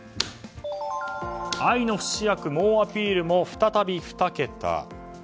愛の不死薬猛アピールも再び２桁。